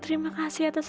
kamu mau kertas